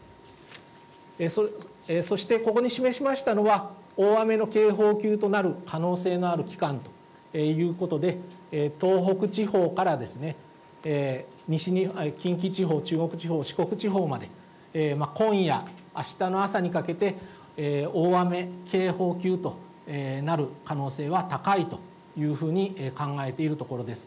そしてここに示しましたのは、大雨の警報級となる可能性がある期間ということで、東北地方から近畿地方、中国地方、四国地方まで、今夜、あしたの朝にかけて、大雨警報級となる可能性は高いというふうに考えているところです。